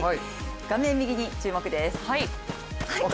画面右に注目です。